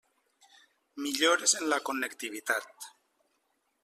Millores en la connectivitat.